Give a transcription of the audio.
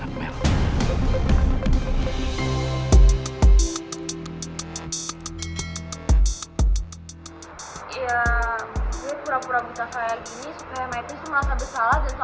ya gue pura pura buta selama ini supaya my prince merasa bersalah dan selalu ada bisnis gue